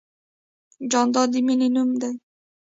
جانداد د مینې نوم دی.